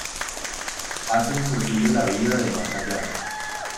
Hace imposible la vida del más allá.